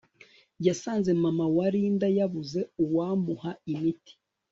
yasanze mama wa Linda yabuze uwamuha imiti